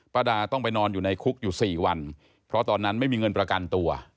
ดาต้องไปนอนอยู่ในคุกอยู่๔วันเพราะตอนนั้นไม่มีเงินประกันตัว